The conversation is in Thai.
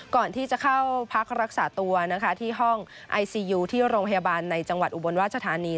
ก่อนที่จะเข้าพักรักษาตัวนะคะที่ห้องไอซียูที่โรงพยาบาลในจังหวัดอุบลราชธานี